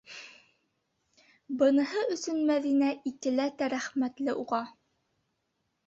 Быныһы өсөн Мәҙинә икеләтә рәхмәтле уға.